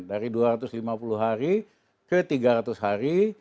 dari dua ratus lima puluh hari ke tiga ratus hari